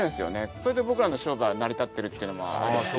それで僕らの商売は成り立ってるっていうのもあるし